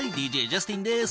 ＤＪジャスティンです。